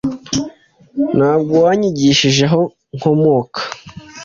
Ntabwo wanyigishije aho nkomoka